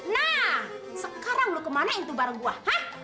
nah sekarang lu kemana itu bareng gua hah